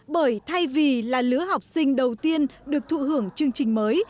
bởi thay vì là lứa học sinh đầu tiên được thụ hưởng chương trình mới